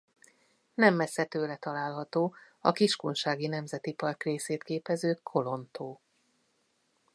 Nem messze tőle található a Kiskunsági Nemzeti Park részét képező Kolon-tó.